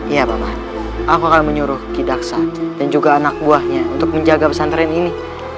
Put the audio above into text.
iya mama aku akan menyuruh kidaksa dan juga anak buahnya untuk menjaga pesantren ini